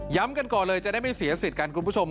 กันก่อนเลยจะได้ไม่เสียสิทธิ์กันคุณผู้ชม